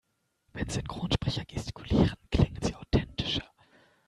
Wenn Synchronsprecher gestikulieren, klingen sie authentischer.